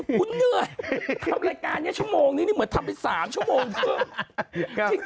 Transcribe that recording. ขุนเหนื่อยทำรายการงี้ชั่วโมงนี้เหมือนทำเป็นสามชั่วโมงเพิ่ม